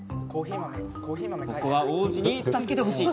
ここは王子に助けてほしい！